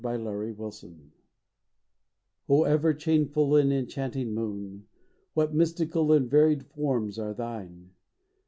45 To tHe Moon, Oh, ever changeful and enchanting moon ! What mystical and varied forms are thine